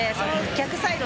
逆サイド